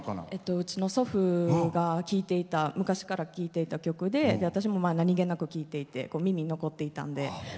うちの祖父が昔から聴いていた曲で私も何気なく聴いていて耳に残っていたんで。